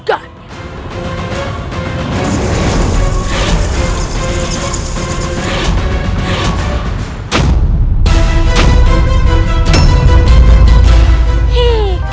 kau harus membantu